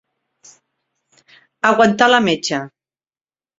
Aguantar la metxa.